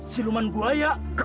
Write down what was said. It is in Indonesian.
siluman buaya raka